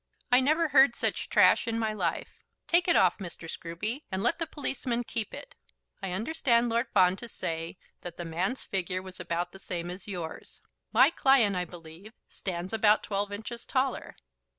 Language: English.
I never heard such trash in my life. Take it off, Mr. Scruby, and let the policeman keep it. I understand Lord Fawn to say that the man's figure was about the same as yours. My client, I believe, stands about twelve inches taller.